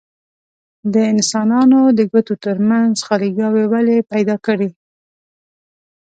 د انسانانو د ګوتو ترمنځ خاليګاوې ولې پیدا کړي؟